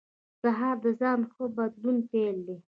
سهار د ځان ښه بدلون پیل دی.